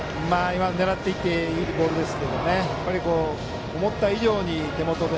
狙っていいボールでしたけど思った以上に手元で。